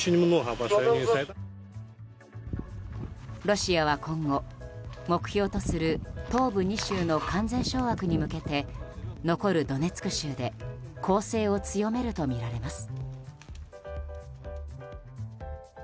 ロシアは今後、目標とする東部２州の完全掌握に向けて残るドネツク州で攻勢を強めるとみられます。